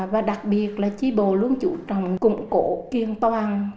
và đặc biệt là tri bộ luôn chủ trọng cụng cổ kiên toàn